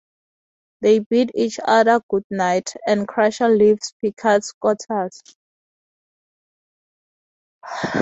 They bid each other goodnight, and Crusher leaves Picard's quarters.